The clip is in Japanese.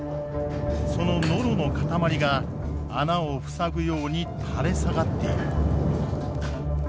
そのノロの塊が穴を塞ぐように垂れ下がっている。